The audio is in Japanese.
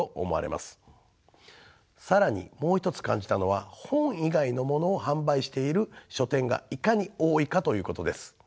更にもう一つ感じたのは本以外の物を販売している書店がいかに多いかということです。